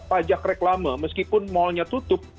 pajak reklame meskipun malnya tutup